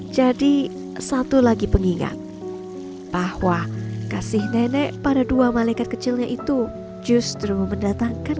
jadi satu lagi pengingat bahwa kasih nenek pada dua malaikat kecilnya itu justru mendatangkan